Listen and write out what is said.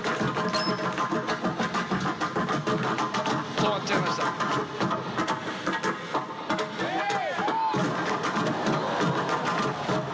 止まっちゃいました。ヘイ！